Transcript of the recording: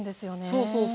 そうそうそう。